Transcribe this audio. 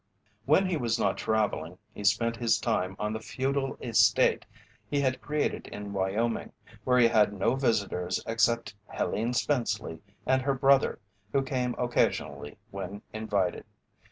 When he was not travelling he spent his time on the feudal estate he had created in Wyoming, where he had no visitors except Helene Spenceley and her brother, who came occasionally when invited.